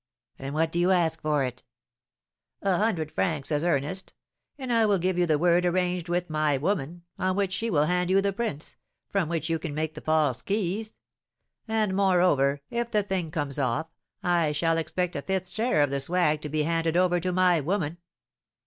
"And what do you ask for it?" "A hundred francs as earnest; and I will give you the word arranged with my woman, on which she will hand you the prints, from which you can make the false keys. And, moreover, if the thing comes off, I shall expect a fifth share of the swag to be handed over to my woman."